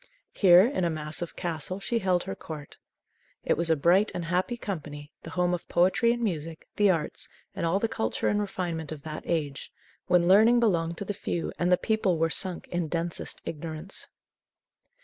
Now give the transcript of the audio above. Here, in a massive castle, she held her court. It was a bright and happy company, the home of poetry and music, the arts, and all the culture and refinement of that age, when learning belonged to the few and the people were sunk in densest ignorance.